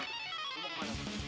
lo mau kemana mon